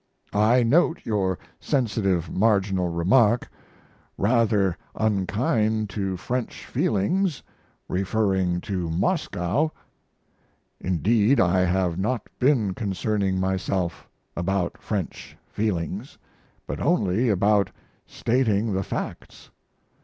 I note your sensitive marginal remark: "Rather unkind to French feelings referring to Moscow." Indeed I have not been concerning myself about French feelings, but only about stating the facts.